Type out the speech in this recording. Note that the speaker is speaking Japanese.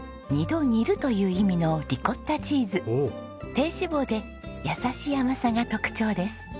低脂肪で優しい甘さが特徴です。